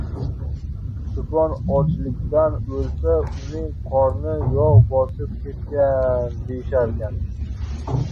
• Cho‘pon ochlikdan o‘lsa, “uning qorni yog‘ bosib ketgan” deyisharkan.